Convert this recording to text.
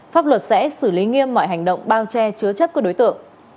pháp luật sẽ xử lý nghiêm mọi hành động bao che chứa chấp của đối tượng